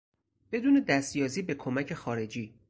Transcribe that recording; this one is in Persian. بدون دستیازی به کمک خارجی